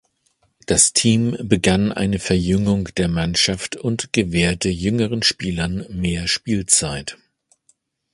Das Team begann eine Verjüngung der Mannschaft und gewährte jüngeren Spielern mehr Spielzeit.